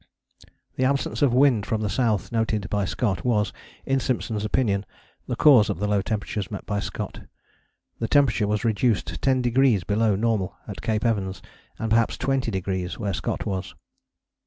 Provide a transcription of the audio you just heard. The absence of wind from the south noted by Scott was, in Simpson's opinion, the cause of the low temperatures met by Scott: the temperature was reduced ten degrees below normal at Cape Evans, and perhaps twenty degrees where Scott was.